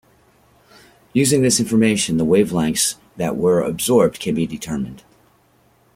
Using this information, the wavelengths that were absorbed can be determined.